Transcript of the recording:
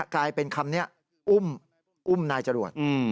กลายเป็นคำนี้อุ้มนายจรวด